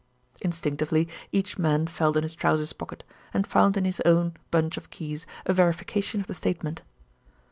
Instinctively each man felt in his trousers pocket, and found in his own bunch of keys a verification of the statement.